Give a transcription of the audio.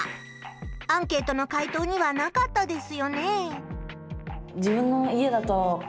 アンケートの回答にはなかったですよねえ。